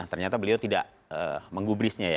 ternyata beliau tidak menggubrisnya